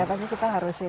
ternyata kita harus ini